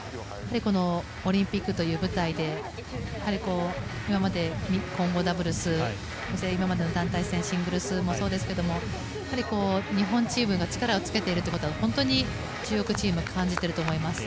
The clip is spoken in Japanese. オリンピックという舞台でやはり今まで混合ダブルスそして今までの団体戦シングルスもそうですけども日本チームが力をつけているということを本当に中国チーム感じていると思います。